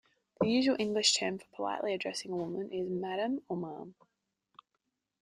The usual English term for politely addressing a woman is "Madam" or "Ma'am".